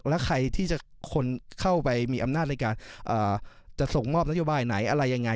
แล้วใครที่จะคนเข้าไปมีอำนาจในการจะส่งมอบนโยบายไหนอะไรยังไง